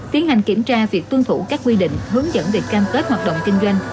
tiến hành kiểm tra việc tuân thủ các quy định hướng dẫn về cam kết hoạt động kinh doanh